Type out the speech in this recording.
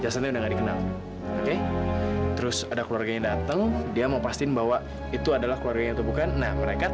sampai jumpa di video selanjutnya